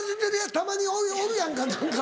たまにおるやんか何か。